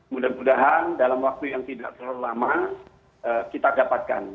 mudah mudahan dalam waktu yang tidak terlalu lama kita dapatkan